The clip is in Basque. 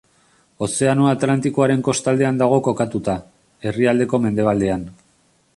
Ozeano Atlantikoaren kostaldean dago kokatuta, herrialdeko mendebaldean.